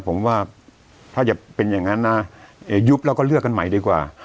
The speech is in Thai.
ผมว่าถ้าจะเป็นอย่างนั้นนะยุบแล้วก็เลือกกันใหม่ดีกว่า